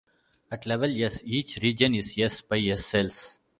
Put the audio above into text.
At level "s", each region is "s" by "s" cells.